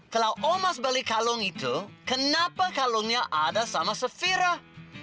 kalau omas balik kalung itu kenapa kalungnya ada sama sefirah